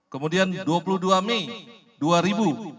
kemudian dua puluh dua mei dua ribu dua puluh empat